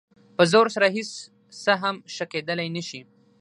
په زور سره هېڅ څه هم ښه کېدلی نه شي.